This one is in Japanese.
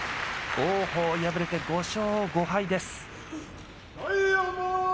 王鵬、敗れて５勝５敗です。